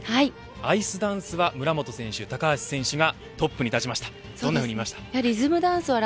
アイスダンスは村元選手高橋選手がトップに立ちました。